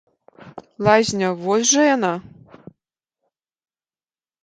Лазня, вось жа яна.